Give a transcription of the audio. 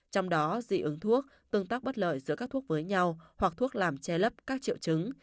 trong đó dị ứng thuốc tương tác bất lợi giữa các thuốc với nhau hoặc thuốc làm che lấp các triệu chứng